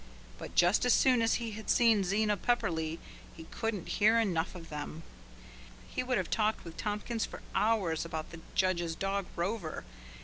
But just as soon as he had seen Zena Pepperleigh he couldn't hear enough of them. He would have talked with Tompkins for hours about the judge's dog Rover.